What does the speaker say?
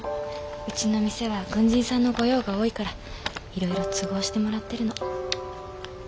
うちの店は軍人さんのご用が多いからいろいろ都合してもらってるの。